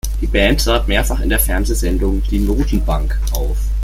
Die Band trat mehrfach in der Fernsehsendung "Die Notenbank" auf.